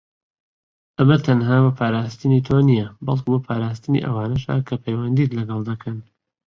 ئەمە تەنها بۆ پاراستنی تۆ نیە، بەڵکو بۆ پاراستنی ئەوانەشە کە پیوەندیت لەگەڵ دەکەن.